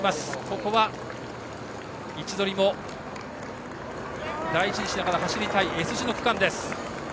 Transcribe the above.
ここは位置取りも大事にしながら走りたいＳ字の区間です。